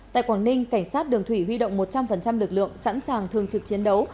tại quảng ninh cảnh sát đường thủy huy động một trăm linh lực lượng sẵn sàng thường trực chiến đấu